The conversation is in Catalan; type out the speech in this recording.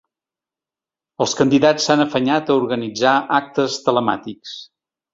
Els candidats s’han afanyat a organitzar actes telemàtics.